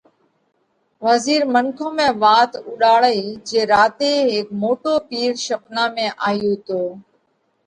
وزِير منکون ۾ وات اُوڏاڙئِي جي راتي هيڪ موٽو پِير شپنا ۾ آيو تو